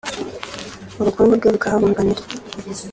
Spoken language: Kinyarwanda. ubukungu bwe bukahahungabanira